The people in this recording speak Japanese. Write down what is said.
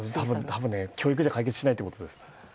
多分、教育じゃ解決しないってことです。